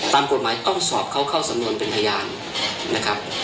ตามกฎหมายต้องสอบเขาเข้าสำนวนเป็นพยานนะครับ